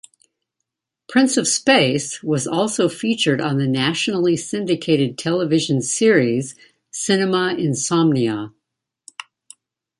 "Prince of Space" was also featured on the nationally syndicated television series "Cinema Insomnia".